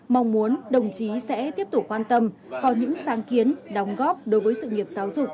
mong muốn đồng chí sẽ tiếp tục quan tâm có những sáng kiến đóng góp đối với sự nghiệp giáo dục